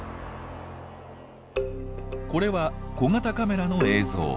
これは小型カメラの映像。